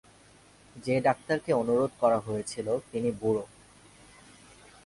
যে-ডাক্তারকে অনুরোধ করা হয়েছিল তিনি বুড়ো।